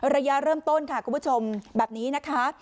ระยะเริ่มต้นค่ะคุณผู้ชมแบบนี้นะคะ